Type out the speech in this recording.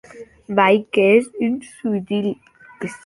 Vai!, qu'ès un subtil!